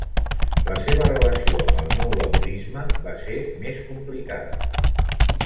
La seva relació amb el Nou Laborisme va ser més complicada.